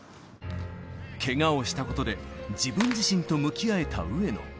けがをしたことで、自分自身と向き合えた上野。